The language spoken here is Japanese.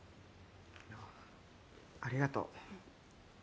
あありがとう。